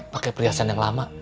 pakai perhiasan yang lama